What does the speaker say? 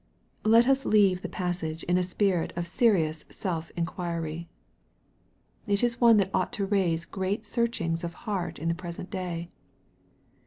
Let us leave the passage in a spirit of serious self tnquiry. It is one that ought to raise great searchings of heart in the present day.